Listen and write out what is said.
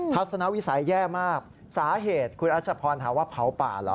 ทัศนวิสัยแย่มากสาเหตุคุณรัชพรถามว่าเผาป่าเหรอ